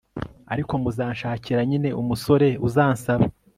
ariko muzanshakira nyine umusore uzansaba